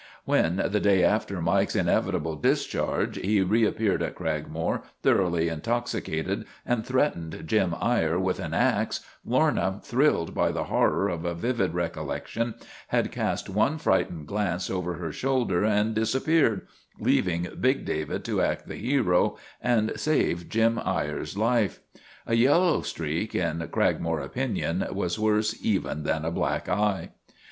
When, the day after Mike's inevitable discharge, he reappeared at Cragmore, thoroughly intoxicated, and threatened Jim Eyre with an ax, Lorna, thrilled by the horror of a vivid recollection, had cast one frightened glance over her shoulder and disappeared, leaving big David to act the hero and save Jim Eyre's life. A yellow streak, in Cragmore opinion, was worse even than a black eye.